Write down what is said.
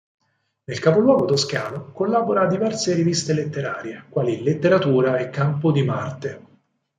Nel capoluogo toscano, collabora a diverse riviste letterarie, quali "Letteratura" e "Campo di Marte".